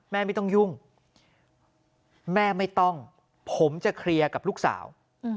แม่ไม่ต้องยุ่งแม่ไม่ต้องผมจะเคลียร์กับลูกสาว